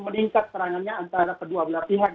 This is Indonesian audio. meningkat serangannya antara kedua belah pihak